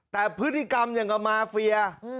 แต่พฤติกรรมอย่างกับมาเฟีย